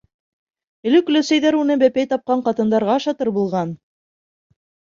Элек өләсәйҙәр уны бәпәй тапҡан ҡатындарға ашатыр булған.